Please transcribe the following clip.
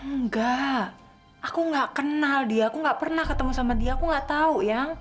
enggak aku gak kenal dia aku gak pernah ketemu sama dia aku gak tau ya